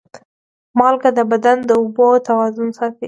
مالګه د بدن د اوبو توازن ساتي.